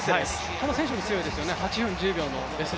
この選手も強いですよね。